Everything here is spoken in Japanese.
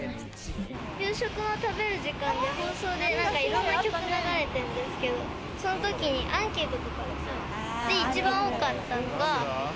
給食を食べる時間に放送でいろんな曲が流れてるんですけど、その時にアンケートで一番多かったのが。